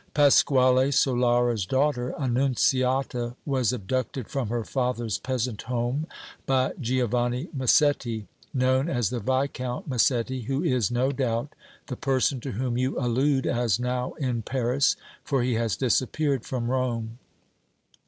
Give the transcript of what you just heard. Pasquale Solara's daughter, Annunziata, was abducted, from her father's peasant home by Giovanni Massetti, known as the Viscount Massetti, who is, no doubt, the person to whom you allude as now in Paris, for he has disappeared from Rome.